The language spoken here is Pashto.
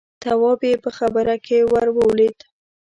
تواب يې په خبره کې ور ولوېد: